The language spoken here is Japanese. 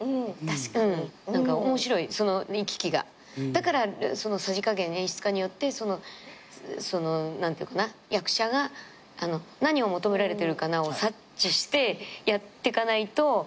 だからそのさじ加減演出家によってその何ていうかな役者が何を求められてるかなを察知してやってかないと。